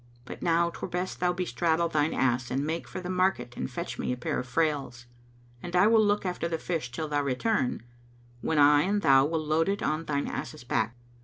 But now 'twere best thou bestraddle thine ass and make for the market and fetch me a pair of frails, [FN#223] and I will look after the fish till thou return, when I and thou will load it on thine ass's back.